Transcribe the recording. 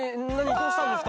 どうしたんですか？